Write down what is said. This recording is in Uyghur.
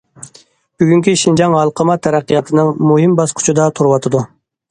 بۈگۈنكى شىنجاڭ ھالقىما تەرەققىياتنىڭ مۇھىم باسقۇچىدا تۇرۇۋاتىدۇ.